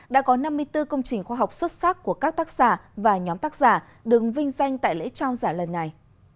đã có năm mươi bốn công trình khoa học xuất sắc của các tác giả và nhóm tác giả đứng vinh danh tại lễ trao giả lần này